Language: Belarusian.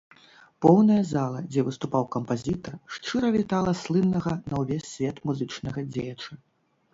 Поўная зала, дзе выступаў кампазітар, шчыра вітала слыннага на ўвесь свет музычнага дзеяча.